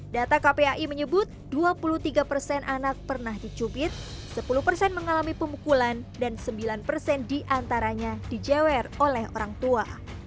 data kpai menyebut dua puluh tiga persen anak pernah dicubit sepuluh persen mengalami pemukulan dan sembilan persen diantaranya dijewer oleh orang tua